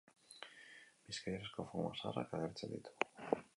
Bizkaierazko forma zaharrak agertzen ditu.